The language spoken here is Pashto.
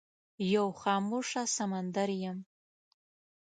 یو خاموشه سمندر یم